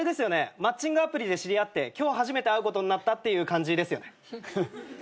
マッチングアプリで知り合って今日初めて会うことになったっていう感じですよね。